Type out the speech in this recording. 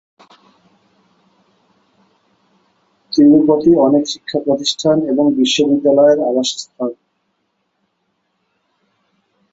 তিরুপতি অনেক শিক্ষা প্রতিষ্ঠান এবং বিশ্ববিদ্যালয়ের আবাসস্থল।